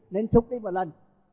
nên xúc đi một lần